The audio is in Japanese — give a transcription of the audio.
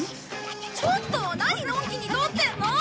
ちょっと何のんきに撮ってるの！？